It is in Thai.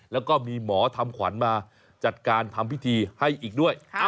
แล้วก็มีหมอทำขวัญมาจัดการทำพิธีให้อีกด้วย